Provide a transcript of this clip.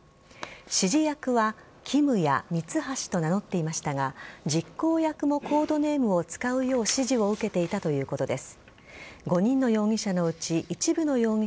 指示役はキムやミツハシと名乗っていましたが実行役もコードネームを使うよう指示を受けていたということです。